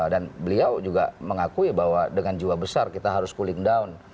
dan beliau juga mengakui bahwa dengan jiwa besar kita harus cooling down